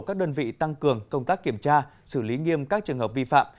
các đơn vị tăng cường công tác kiểm tra xử lý nghiêm các trường hợp vi phạm